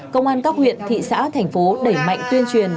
công an các huyện thị xã thành phố đẩy mạnh tuyên truyền